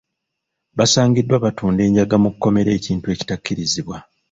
Basangiddwa batunda enjaga mu kkomera ekintu ekitakkirizibwa.